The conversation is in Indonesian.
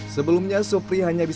sebelumnya supri hanya bisa